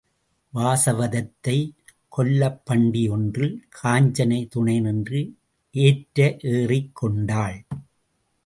வாசவதத்தை கொல்லப்பண்டி ஒன்றில் காஞ்சனை துணை நின்று ஏற்ற ஏறிக்கொண்டாள்.